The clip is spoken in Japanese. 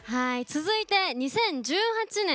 続いて、２０１８年。